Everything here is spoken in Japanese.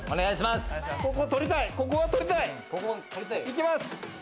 行きます。